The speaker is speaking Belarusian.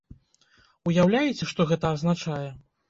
Уяўляеце, што гэта азначае?